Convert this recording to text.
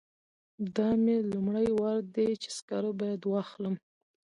دا مې لومړی وار دی چې سکاره باید واخلم.